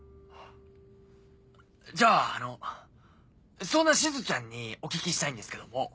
じゃああのそんなしずちゃんにお聞きしたいんですけども。